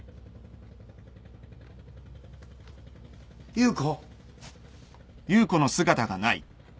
優子。